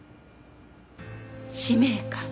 使命感。